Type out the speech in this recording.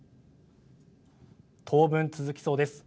当分、続きそうです。